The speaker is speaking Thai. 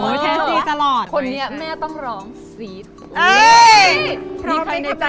ไม่ได้เราอย่าไปเอาของเขา